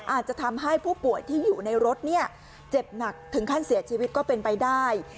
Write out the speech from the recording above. อาจจะทำให้ผู้ป่วยที่อยู่ในรถเจ็บหนักถึงขั้นเสียชีวิตก็เป็นไปได้